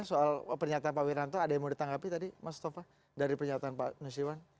soal pernyataan pak wiranto ada yang mau ditanggapi tadi mas tova dari pernyataan pak nusirwan